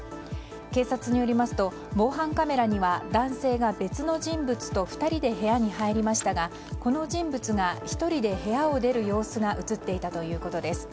警察によりますと防犯カメラには男性が別の人物と２人で部屋に入りましたがこの人物が１人で部屋を出る様子が映っていたということです。